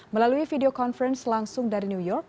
melalui video conference langsung dari new york